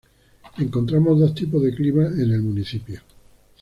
Encontramos dos tipos de clima en el municipio.